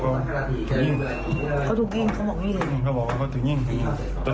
เขาบอกว่าเขาถูกยิงตอนนั้นเราได้ยินเสียงปืนไหม